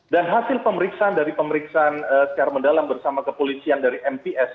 dan hasil pemeriksaan dari pemeriksaan secara mendalam bersama kepolisian dari mps